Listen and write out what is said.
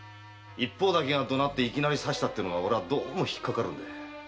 一方だけが怒鳴っていきなり刺したってのが俺はどうも引っかかるんだ。